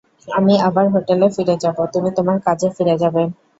আমি আবার হোটেলে ফিরে যাব, তুমি তোমার কাজে ফিরে যাবে।